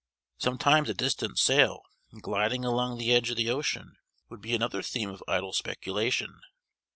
Sometimes a distant sail, gliding along the edge of the ocean, would be another theme of idle speculation.